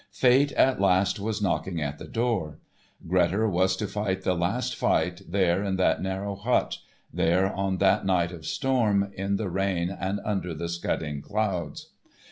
Fate at last was knocking at the door. Grettir was to fight the Last Fight there in that narrow hut, there on that night of storm, in the rain and under the scudding clouds.